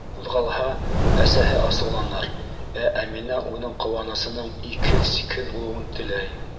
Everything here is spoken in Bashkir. Ҡуҙғалһа, әсәһе асыуланыр, ә Әминә уның ҡыуанысының икһеҙ-сикһеҙ булыуын теләй.